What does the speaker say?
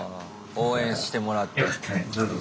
応援してもらって。